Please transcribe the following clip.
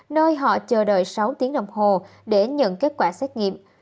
nơi họ chờ đợi sáu tiếng đồng hồ để nhận kết quả xét nghiệm